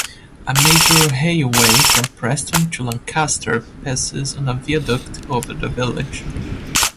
A major railway from Preston to Lancaster passes on a viaduct over the village.